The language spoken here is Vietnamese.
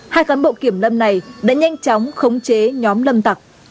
hai cán bộ kiểm lâm này đã nhanh chóng khống chế nhóm lâm tặc